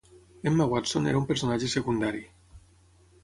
Emma Watson era un personatge secundari.